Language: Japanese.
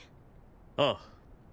ああ。